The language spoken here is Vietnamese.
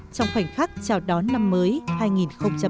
trong khoảnh khắc chào đón năm mới